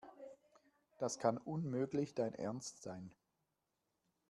Das kann unmöglich dein Ernst sein.